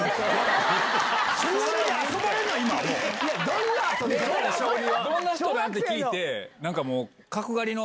どんな人なん？って聞いて。